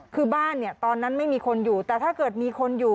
คือบ้านเนี่ยตอนนั้นไม่มีคนอยู่แต่ถ้าเกิดมีคนอยู่